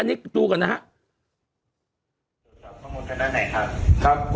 อันนี้ดูก่อนนะฮะ